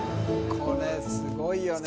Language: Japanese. これスゴいよね